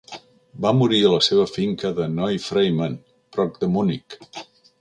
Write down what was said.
Va morir a la seva finca de Neufreimann, prop de Munic.